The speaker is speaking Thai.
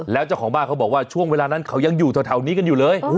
แล้วเจ้าของบ้านเขาบอกว่าช่วงเวลานั้นเขายังอยู่แถวนี้กันอยู่เลย